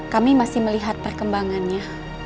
kami masih melihat perkembangannya